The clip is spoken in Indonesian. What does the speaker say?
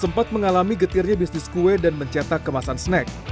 sempat mengalami getirnya bisnis kue dan mencetak kemasan snack